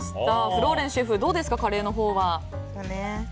フローレンスシェフ、どうですかカレーのほうは。